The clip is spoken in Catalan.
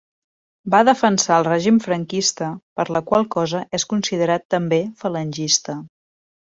Va defensar el règim franquista, per la qual cosa és considerat també falangista.